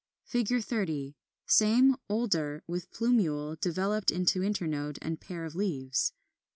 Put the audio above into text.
30. Same, older, with plumule developed into internode and pair of leaves.